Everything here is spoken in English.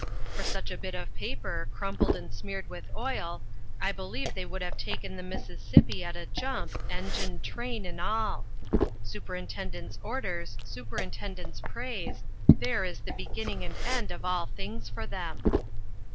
For such a bit of paper, crumpled and smeared with oil, I believe they would have taken the Mississippi at a jump, engine, train, and all. Superintendent's orders, superintendent's praise there is the beginning and end of all things for them.